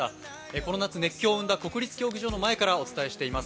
この夏、熱狂を生んだ国立競技場の前からお伝えしています。